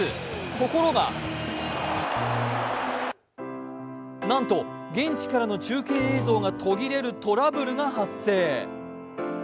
ところがなんと現地からの中継映像が途切れるトラブルが発生。